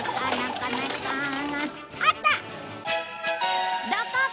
あった！